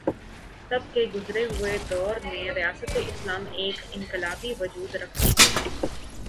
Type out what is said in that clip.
تب کے گزرے ہوئے دور میں ریاست اسلام ایک انقلابی وجود رکھتی تھی۔